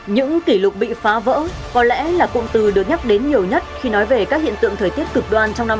những kỷ lục bị phá vỡ có lẽ là cụm từ được nhắc đến nhiều nhất khi nói về các hiện tượng thời tiết cực đoan trong năm hai nghìn hai mươi